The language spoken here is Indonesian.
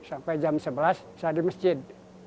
sampai jam sebelas saya di masjid